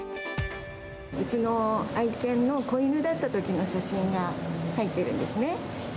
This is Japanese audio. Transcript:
うちの愛犬の子犬だったときの写真が入っているんですね。